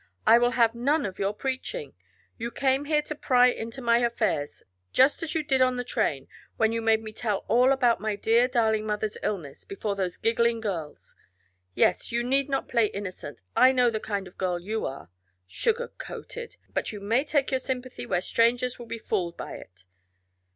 "I will have none of your preaching. You came here to pry into my affairs just as you did on the train, when you made me tell all about my dear, darling mother's illness, before those giggling girls. Yes, you need not play innocent. I know the kind of girl you are. 'Sugar coated!' But you may take your sympathy where strangers will be fooled by it.